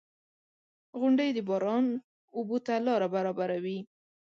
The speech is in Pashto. • غونډۍ د باران اوبو ته لاره برابروي.